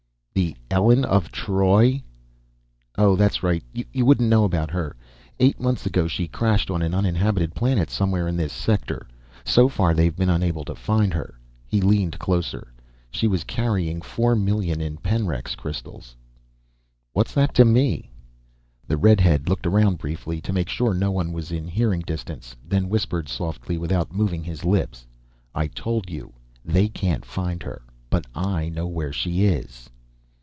"The Elen of Troy?" "Oh, that's right, you wouldn't know about her. Eight months ago she crashed on an uninhabited planet somewhere in this sector. So far they've been unable to find her." He leaned closer. "She was carrying four million in Penryx crystals." "What's that to me?" The redhead looked around briefly to make sure no one was in hearing distance, then whispered softly, without moving his lips. "I told you, they can't find her, but I know where she is."